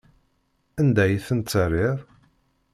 Anda ay ten-terriḍ?